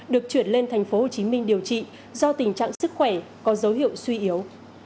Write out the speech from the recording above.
được chuyển lên thành phố hồ chí minh điều trị do tình trạng sức khỏe có dấu hiệu suy yếu